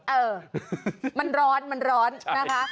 เออมันร้อนมันร้อนนะคะ